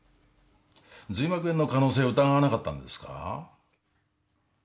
髄膜炎の可能性を疑わなかったんですか？